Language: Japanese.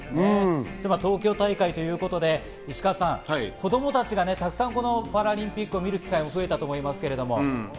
東京大会ということで石川さん、子供たちがたくさんこのパラリンピックを見る機会が増えたと思います。